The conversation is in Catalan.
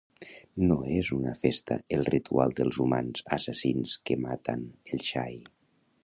No es una festa el ritual dels humans assassins que matan el xai